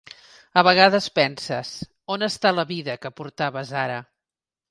A vegades penses, on està la vida que portaves ara.